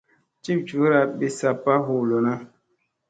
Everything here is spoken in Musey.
Ciciwra bis saɓpa huu lona.